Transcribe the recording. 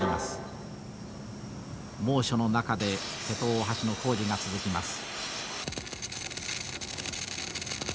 猛暑の中で瀬戸大橋の工事が続きます。